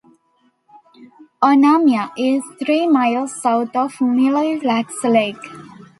Onamia is three miles south of Mille Lacs Lake.